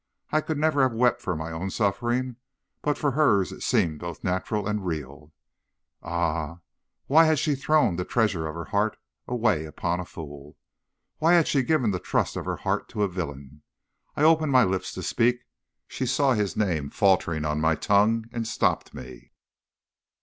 I could never have wept for my own suffering, but for hers it seemed both natural and real. Ah, why had she thrown the treasures of her heart away upon a fool? Why had she given the trust of her heart to a villain? I opened my lips to speak; she saw his name faltering on my tongue, and stopped me.